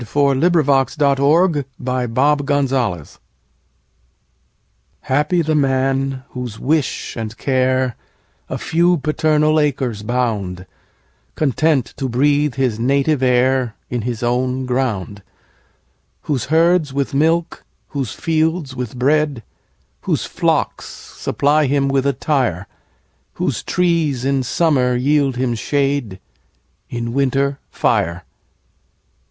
Solitude HAPPY the man, whose wish and careA few paternal acres bound, Content to breathe his native airIn his own ground. Whose herds with milk, whose fields with bread, Whose flocks supply him with attire; Whose trees in summer yield him shade, In winter fire.